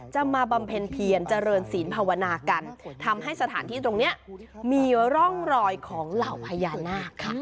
มาบำเพ็ญเพียรเจริญศีลภาวนากันทำให้สถานที่ตรงนี้มีร่องรอยของเหล่าพญานาคค่ะ